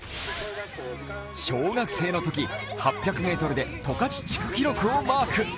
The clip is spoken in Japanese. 小学生のとき８００ｍで十勝地区記録をマーク。